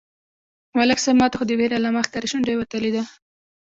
_ملک صيب! ماته خو د وېرې علامه ښکاري، شونډه يې وتلې ده.